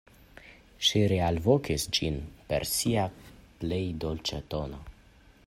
Ŝi realvokis ĝin per sia plej dolĉa tono.